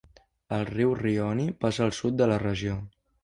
El riu Rioni passa al sud de la regió.